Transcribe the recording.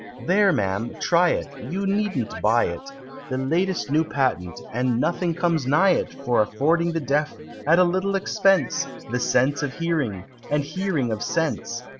"There, Ma'am! try it! You needn't buy it The last New Patent and nothing comes nigh it For affording the Deaf, at a little expense, The sense of hearing, and hearing of sense!